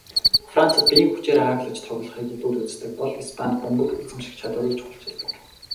Францад биеийн хүчээр ааглаж тоглохыг илүүд үздэг бол Испанид бөмбөг эзэмших чадварыг чухалчилдаг.